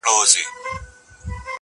• ماته دي د سر په بيه دوه جامه راکړي دي_